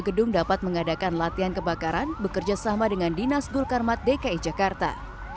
gedung dapat mengadakan latihan kebakaran bekerja sama dengan dinas gulkarmat dki jakarta